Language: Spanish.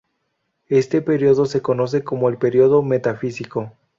Este período se conoce como el "período metafísico".